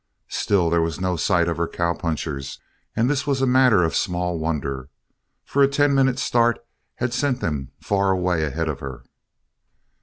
Still there was no sight of her cowpunchers and this was a matter of small wonder, for a ten minute start had sent them far away ahead of her.